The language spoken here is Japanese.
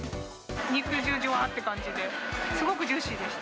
肉汁じゅわーって感じで、すごくジューシーでした。